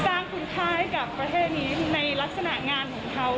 สร้างคุณค่าให้กับประเทศนี้ในลักษณะงานของเขา